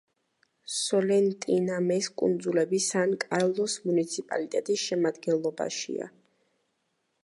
სოლენტინამეს კუნძულები სან კარლოსის მუნიციპალიტეტის შემადგენლობაშია.